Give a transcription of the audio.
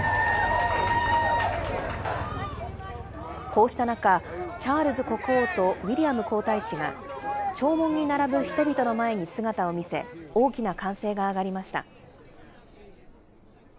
こうした中、チャールズ国王とウィリアム皇太子が弔問に並ぶ人々の前に姿を見せ、大きな歓声が上がりました。